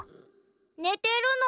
ねてるの？